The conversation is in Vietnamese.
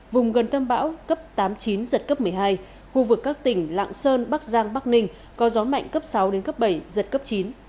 vùng gần tâm bão cấp tám chín giật cấp một mươi hai khu vực các tỉnh lạng sơn bắc giang bắc ninh có gió mạnh cấp sáu đến cấp bảy giật cấp chín